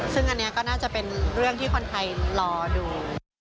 ซึ่งอันนี้ก็น่าจะเป็นเรื่องที่คนไทยรอดู